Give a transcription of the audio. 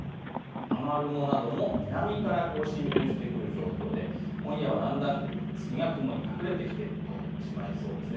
雨雲なども南から進入してくる状況で今夜はだんだん月が雲に隠れてしまいそうです。